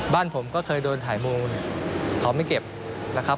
บ้านผมก็เคยโดนถ่ายมูลเขาไม่เก็บนะครับ